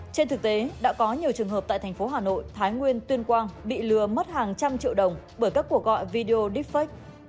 trên thực tế đã có nhiều trường hợp tại thành phố hà nội thái nguyên tuyên quang bị lừa mất hàng trăm triệu đồng bởi các cuộc gọi video deepfake